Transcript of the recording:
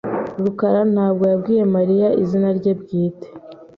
rukarantabwo yabwiye Mariya izina rye bwite.